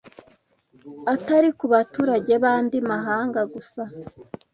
atari ku baturage b’andi mahanga gusa